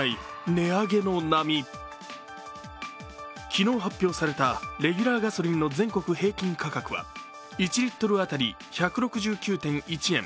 昨日、発表されたレギュラーガソリンの全国平均価格は、１リットル当たり１６９．１円。